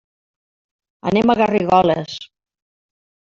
Anem a Garrigoles.